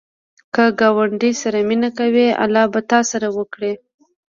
که ګاونډي سره مینه کوې، الله به تا سره وکړي